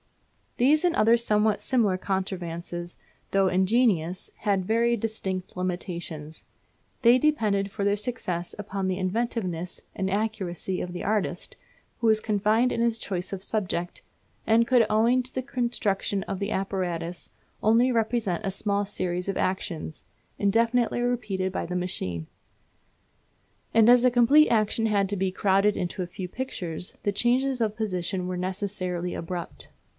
These and other somewhat similar contrivances, though ingenious, had very distinct limitations. They depended for their success upon the inventiveness and accuracy of the artist, who was confined in his choice of subject; and could, owing to the construction of the apparatus, only represent a small series of actions, indefinitely repeated by the machine. And as a complete action had to be crowded into a few pictures, the changes of position were necessarily abrupt.